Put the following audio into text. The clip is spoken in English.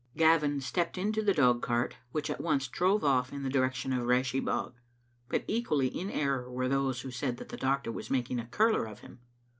Gavin stepped into the dog cart, which at once drove oflE in the direc tion of Rashie bog, but equally in error were those who said that the doctor was making a curler of him.